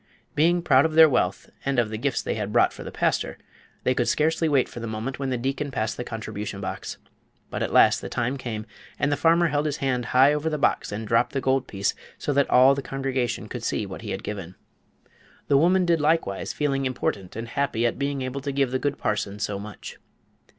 Being proud of their wealth and of the gifts they had brought for the pastor, they could scarcely wait for the moment when the deacon passed the contribution box. But at last the time came, and the farmer held his hand high over the box and dropped the gold piece so that all the congregation could see what he had given. The woman did likewise, feeling important and happy at being able to give the good parson so much.